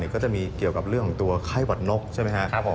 ก็จะมีเกี่ยวกับเรื่องของตัวไข้หวัดนกใช่ไหมครับผม